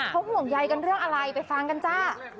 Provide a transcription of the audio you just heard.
ใจร่ายกันเรื่องอะไรไปฟังกันจ้ะ